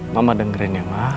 mama dengerin ya mama